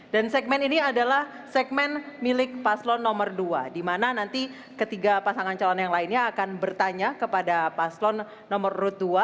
segmen ini adalah segmen milik paslon nomor dua di mana nanti ketiga pasangan calon yang lainnya akan bertanya kepada paslon nomor urut dua